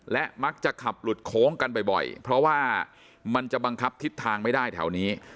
และมักจะขับหลุดโค้งกันบ่อยเพราะว่ามันจะบังคับทิศทางไม่ได้แถวนี้